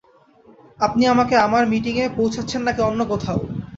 আপনি আমাকে আমার মিটিংয়ে পৌছাচ্ছেন নাকি অন্য কোথাও?